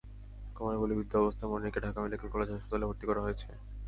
কোমরে গুলিবিদ্ধ অবস্থায় মনিরকে ঢাকা মেডিকেল কলেজ হাসপাতালে ভর্তি করা হয়েছে।